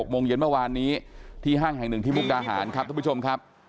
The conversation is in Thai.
โมงเย็นเมื่อวานนี้ที่ห้างแห่งหนึ่งที่มุกดาหารครับทุกผู้ชมครับ